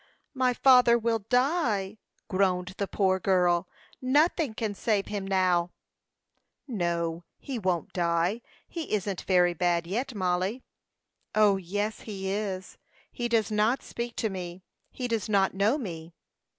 "My father will die!" groaned the poor girl. "Nothing can save him now." "No, he won't die. He isn't very bad yet, Mollie." "O, yes, he is. He does not speak to me; he does not know me."